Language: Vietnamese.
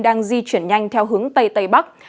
đang di chuyển nhanh theo hướng tây tây bắc